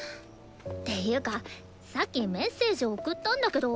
ていうかさっきメッセージ送ったんだけど。